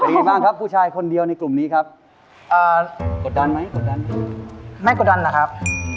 เป็นไงบ้างครับผู้ชายคนเดียวในกลุ่มนี้ครับ